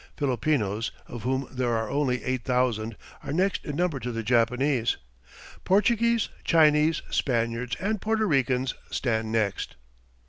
Filipinos, of whom there are only 8,000, are next in number to the Japanese; Portuguese, Chinese, Spaniards, and Porto Ricans stand next.